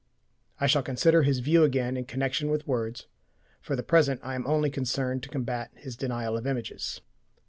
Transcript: I shall consider his view again in connection with words; for the present I am only concerned to combat his denial of images.